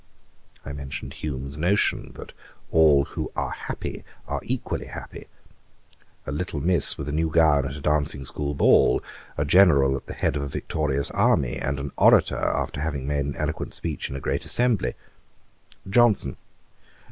I mentioned Hume's notion, that all who are happy are equally happy; a little miss with a new gown at a dancing school ball, a general at the head of a victorious army, and an orator, after having made an eloquent speech in a great assembly. JOHNSON.